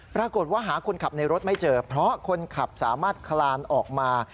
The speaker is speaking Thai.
ปรากฏว่าหาคนขับในรถไม่เจอเพราะคนขับสามารถคลานออกมา